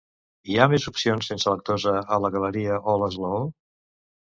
Hi ha més opcions sense lactosa a la Galeria o l'Esglaó?